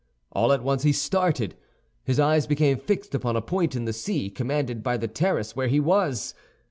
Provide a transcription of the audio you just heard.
All at once he started. His eyes became fixed upon a point of the sea, commanded by the terrace where he was.